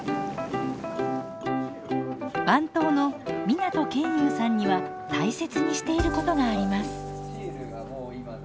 番頭の湊研雄さんには大切にしていることがあります。